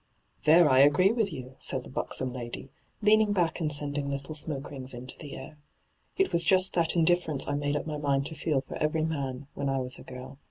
' There I agree with you I' said the buxom lady, leaning back and sending little smoke rings into the wr. ' It was juat that indiffer ence I made up my mind to feel for every man, when I was a girl.